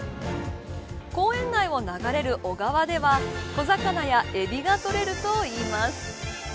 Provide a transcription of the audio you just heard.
公園内を流れる小川では小魚やエビが取れるといいます。